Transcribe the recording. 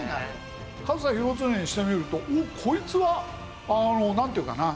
上総広常にしてみると「おっ！こいつは」なんていうかな